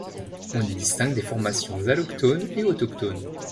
On y distingue des formations allochtones et autochtones.